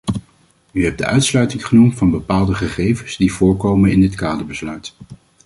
U hebt de uitsluiting genoemd van bepaalde gegevens die voorkomen in dit kaderbesluit.